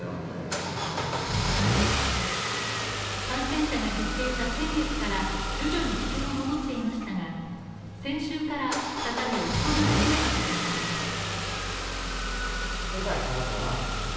感染者が減っていた先月から徐々に客が戻っていましたが、先週から再び落ち込み始めたと話します。